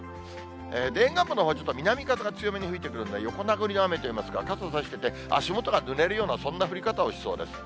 沿岸部のほう、ちょっと南風が強めに吹いてくるんで、横殴りの雨といいますか、傘差してて、足元がぬれるような、そんな降り方をしそうです。